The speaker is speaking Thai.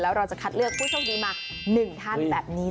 เราจะคัดเลือกผู้โชคดีมา๑ท่านแบบนี้